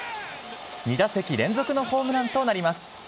２打席連続のホームランとなります。